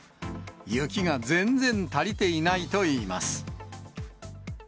雪が全然足りていないといいます。